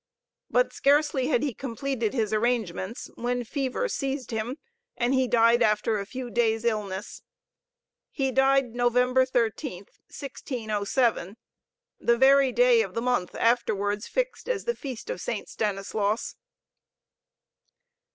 But scarcely had he completed his arrangements, when fever seized him, and he died after a few days' illness. He died November 13, 1607: the very day of the month afterwards fixed as the feast of Saint Stanislaus.